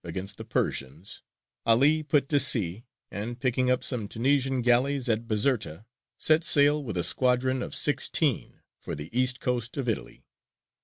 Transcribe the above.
against the Persians, 'Ali put to sea, and, picking up some Tunisian galleys at Bizerta, set sail with a squadron of sixteen for the east coast of Italy.